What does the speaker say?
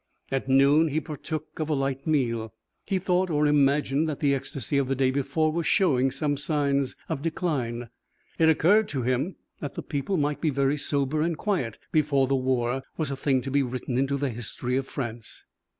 At noon he partook of a light meal. He thought, or imagined, that the ecstasy of the day before was showing some signs of decline. It occurred to him that the people might be very sober and quiet before the war was a thing to be written into the history of France.